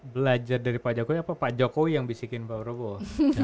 belajar dari pak jokowi apa pak jokowi yang bisikin pak prabowo